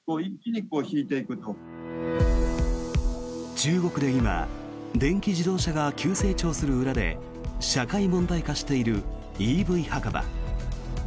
中国で今電気自動車が急成長する裏で社会問題化しているＥＶ墓場。